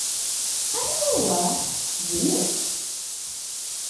Anwa wa?" "D nekk.